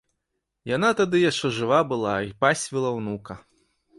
Яна тады яшчэ жыва была й пасвіла ўнука.